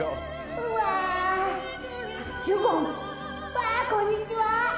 わあこんにちは。